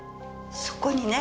そこにね